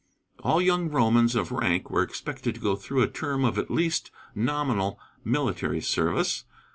All young Romans of rank were expected to go through a term of at least nominal military service.